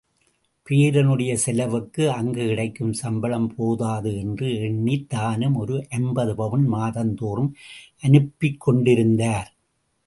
பேரனுடைய செலவுக்கு அங்குக் கிடைக்கும் சம்பளம் போதாது என்று எண்ணித் தானும் ஒரு ஐம்பது பவுன் மாதந்தோறும் அனுப்பிக்கொண்டிருந்தார்.